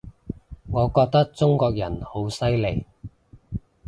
我覺得中國人好犀利